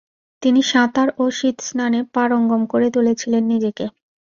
তিনি সাঁতার ও শীতস্নানে পারঙ্গম করে তুলেছিলেন নিজেকে।